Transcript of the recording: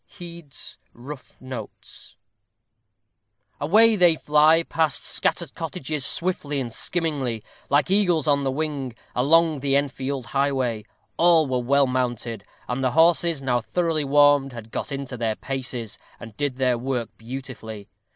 HEAD'S Rough Notes. Away they fly past scattered cottages, swiftly and skimmingly, like eagles on the wing, along the Enfield highway. All were well mounted, and the horses, now thoroughly warmed, had got into their paces, and did their work beautifully.